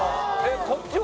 こっちは？